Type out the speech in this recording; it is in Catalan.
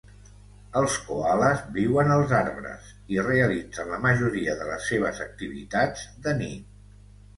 Els coales viuen als arbres i realitzen la majoria de les seves activitats de nit.